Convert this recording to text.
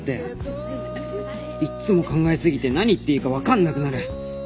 いっつも考えすぎて何言っていいか分かんなくなる